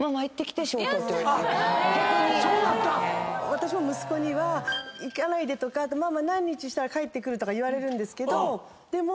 私も息子には「行かないで」とか「ママ何日したら帰ってくる？」とか言われるんですけどでも。